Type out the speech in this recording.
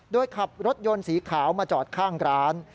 โดยขับรถยนต์สีขาวมาจอดข้างร้าน